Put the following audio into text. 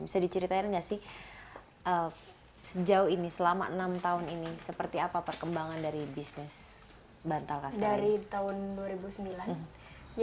bisa diceritakan tidak selama enam tahun ini seperti apa perkembangan dari bisnis bantal castella